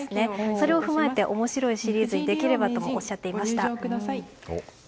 それを踏まえて面白いシリーズにできればともおっしゃっていました。